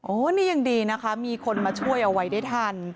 นี่ยังดีนะคะมีคนมาช่วยเอาไว้ได้ทัน